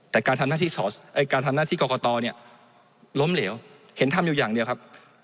แต่การทำหน้าที่กรกตเนี่ยล้มเหลวเห็นทำอยู่อย่างเดียวครับ